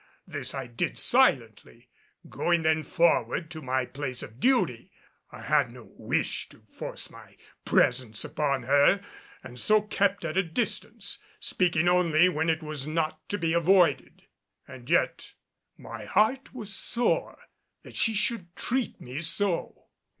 This I did silently, going then forward to my place of duty. I had no wish to force my presence upon her and so kept at a distance, speaking only when it was not to be avoided. And yet my heart was sore that she should treat me so.